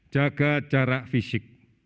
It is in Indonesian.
jaga jarak fisik